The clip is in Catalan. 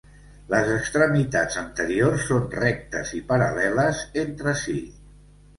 Les extremitats anteriors són rectes i paral·leles entre si.